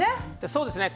そうですね。